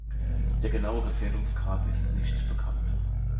Der genaue Gefährdungsgrad ist nicht bekannt.